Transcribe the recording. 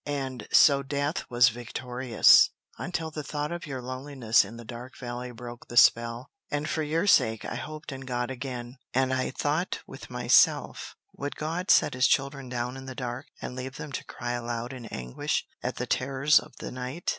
And so Death was victorious, until the thought of your loneliness in the dark valley broke the spell; and for your sake I hoped in God again." "And I thought with myself, Would God set his children down in the dark, and leave them to cry aloud in anguish at the terrors of the night?